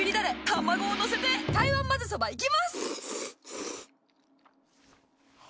卵を載せて台湾まぜそばいきます！